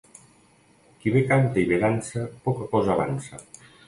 Qui bé canta i bé dansa, poca cosa avança.